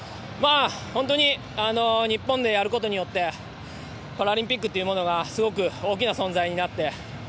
本当に日本でやることによってパラリンピックというものがすごく大きな存在になって。